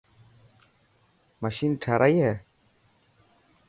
مشين ٺارائي هي.